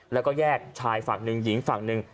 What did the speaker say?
แล้วก็แยกชายฝั่งหนึ่งหญิงฝั่งหนึ่ง